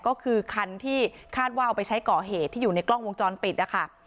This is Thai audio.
ก็คือคันที่คาดว่าเอาไปใช้ก่อเหตุที่อยู่ในกล้องวงจรปิดนะคะ